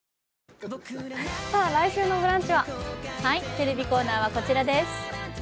テレビコーナーはこちらです。